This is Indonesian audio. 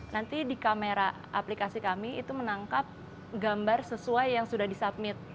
nanti di kamera aplikasi kami itu menangkap gambar sesuai yang sudah disubmit